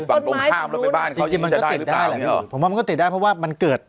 บ้านของนู้นจริงจริงมันก็ติดได้แหละผมว่ามันก็ติดได้เพราะว่ามันเกิด